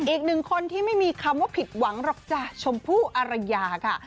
อีกหนึ่งคนที่ไม่มีคำว่าผิดหวังหรอกจ้ะชมพู่อารยาค่ะ